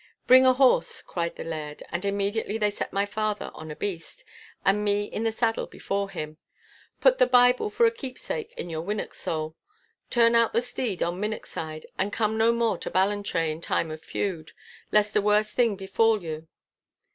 'Bring a horse,' cried the Laird, and immediately they set my father on a beast, and me in the saddle before him. 'Put the Bible for a keepsake in your winnock sole, turn out the steed on Minnochside, and come no more to Ballantrae in time of feud, lest a worse thing befall you!